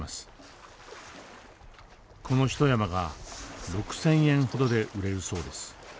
この１山が６，０００円ほどで売れるそうです。